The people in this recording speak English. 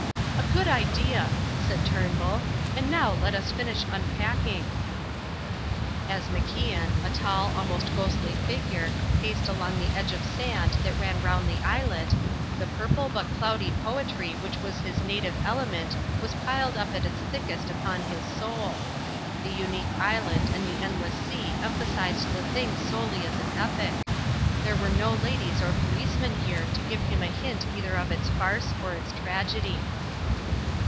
"A good idea," said Turnbull, "and now let us finish unpacking." As MacIan, a tall, almost ghostly figure, paced along the edge of sand that ran round the islet, the purple but cloudy poetry which was his native element was piled up at its thickest upon his soul. The unique island and the endless sea emphasized the thing solely as an epic. There were no ladies or policemen here to give him a hint either of its farce or its tragedy.